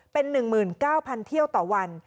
เป็น๑๙๐๐เที่ยวต่อวัน